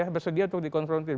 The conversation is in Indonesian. bersedia untuk dikonfrontir